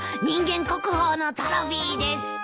人間国宝のトロフィーです。